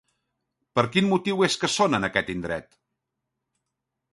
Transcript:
Per quin motiu és que són en aquest indret?